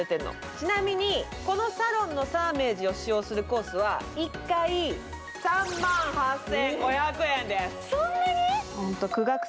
ちなみにこのサロンのサーメージを使用するコースは、１回３万８５００円です。